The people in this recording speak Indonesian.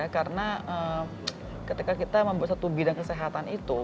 karena ketika kita membuat satu bidang kesehatan itu